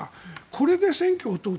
これで選挙を問う。